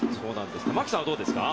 牧さんはどうですか？